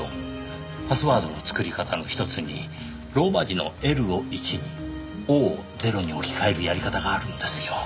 パスワードの作り方の一つにローマ字のＬを１にＯを０に置き換えるやり方があるんですよ。